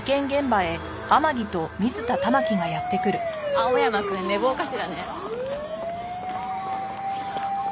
青山くん寝坊かしらね。